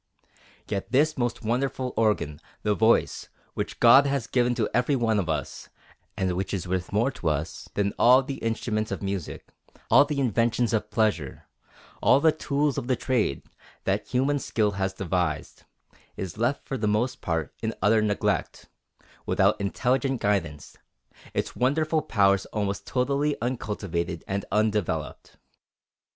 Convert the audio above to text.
Yet this most wonderful organ, the voice, which God has given to every one of us, and which is worth more to us than all the instruments of music, all the inventions of pleasure, all the tools of trade, that human skill has devised, is left for the most part in utter neglect, without intelligent guidance, its wonderful powers almost totally uncultivated and undeveloped.